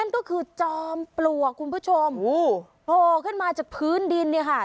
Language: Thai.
นั่นก็คือจอมปลัวคุณผู้ชมโพลขึ้นมาจากพื้นดินเนี่ยค่ะ